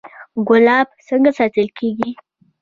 ګلاب څنګه ساتل کیږي؟